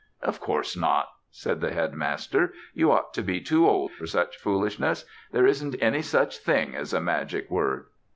"Of course not," said the Headmaster, "you ought to be too old for such foolishness. There isn't any such thing as a magic word."